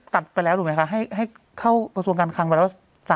ตัดไปแล้วถูกไหมคะให้เข้ากระทรวงการคลังไปแล้ว